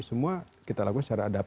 semua kita lakukan secara adaptasi